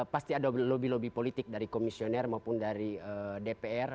pasti ada lobby lobby politik dari komisioner maupun dari dpr